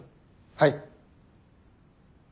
はい。